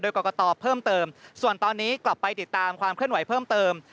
กรกตเพิ่มเติมส่วนตอนนี้กลับไปติดตามความเคลื่อนไหวเพิ่มเติม